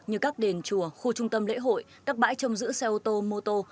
như các đền chùa khu trung tâm lễ hội các bãi trông giữ xe ô tô mô tô